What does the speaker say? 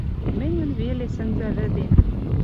Мӹньӹн веле сӹнзӓвӹдем